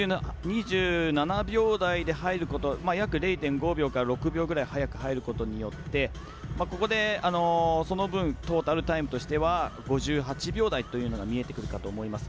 ２７秒台で入ること約０．５秒とか０．６秒早く入ることによって、ここでその分、トータルタイムとしては５８秒台ということも見えてきます。